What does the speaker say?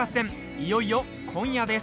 いよいよ今夜です。